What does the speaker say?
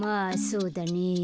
そうだね。